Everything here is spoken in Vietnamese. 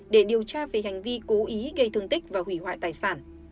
để điều tra về hành vi cố ý gây thương tích và hủy hoại tài sản